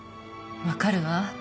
分かるわ。